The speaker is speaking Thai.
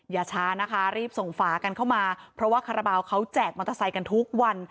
อย่าช้านะคะรีบส่งฝากันเข้ามาเพราะว่าคาราบาลเขาแจกมอเตอร์ไซค์กันทุกวัน